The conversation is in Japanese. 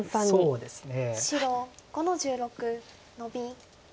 そうですね。